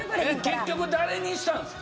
結局誰にしたんですか？